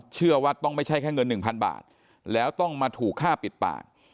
เชื่อว่าต้องไม่ใช่แค่เงิน๑๐๐บาทแล้วต้องมาถูกฆ่าปิดปาก